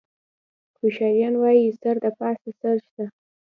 هوښیاران وایي: سر د پاسه سر شته.